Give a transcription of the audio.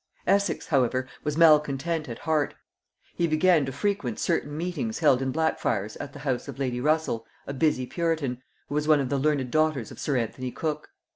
Essex however was malcontent at heart; he began to frequent certain meetings held in Blackfriars at the house of lady Russel, a busy puritan, who was one of the learned daughters of sir Anthony Cook.